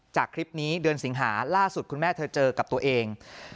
จากคลิปนี้เดือนสิงหาล่าสุดคุณแม่เธอเจอกับตัวเอง